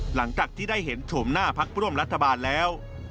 หลังจากที่ได้เห็นโฉมหน้าพักร่วมรัฐบาลแล้ว